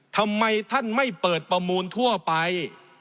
ทำไมท่านไม่เปิดประมูลทั่วไป